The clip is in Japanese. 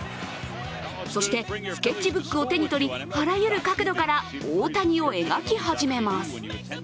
そして、スケッチブックを手に取りあらゆる角度から大谷を描き始めます。